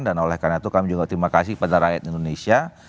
dan oleh karena itu kami juga terima kasih kepada rakyat indonesia